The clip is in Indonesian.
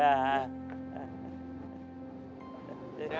sehat pak haji ya